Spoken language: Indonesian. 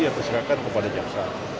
yang diserahkan kepada jaksa